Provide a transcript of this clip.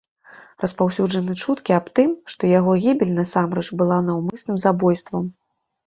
Распаўсюджаны чуткі аб тым, што яго гібель насамрэч была наўмысным забойствам.